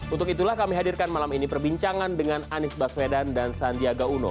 untuk itulah kami hadirkan malam ini perbincangan dengan anies baswedan dan sandiaga uno